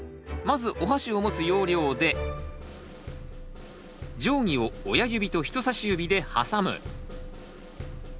まずおはしを持つ要領で定規を親指と人さし指で挟む。